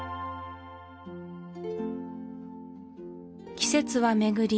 季節は巡り